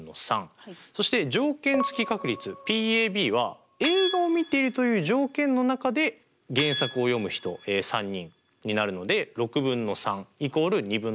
そして条件付き確率Ｐは映画をみているという条件の中で原作を読む人３人になるので６分の３＝２分の１が確率になります。